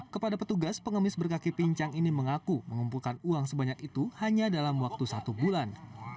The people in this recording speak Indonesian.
kepada petugas pengemis berkaki pincang ini mengaku mengumpulkan uang sebanyak itu hanya dalam waktu satu bulan